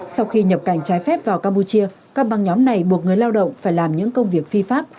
sau khi nhập cảnh trái phép vào campuchia các băng nhóm này buộc người lao động phải làm những công việc phi pháp